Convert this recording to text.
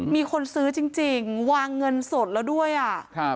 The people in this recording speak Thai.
มีคนซื้อจริงวางเงินสดแล้วด้วย่ะ